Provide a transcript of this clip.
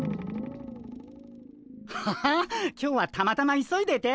ハハ今日はたまたま急いでて。